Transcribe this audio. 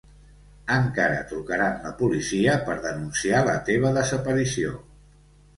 Encara trucaran la policia per denunciar la teva desaparició.